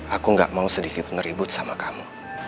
aku gak mau sedikit ngeribut sama kamu